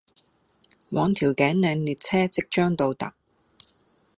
往調景嶺列車即將到達